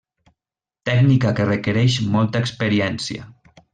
Tècnica que requereix molta experiència.